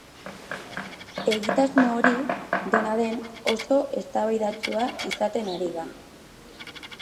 Egitasmo hori, dena den, oso eztabaidatsua izaten ari da.